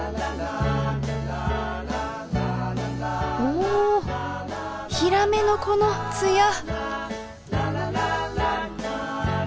おおひらめのこのつや！